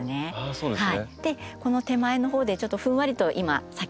そうですね。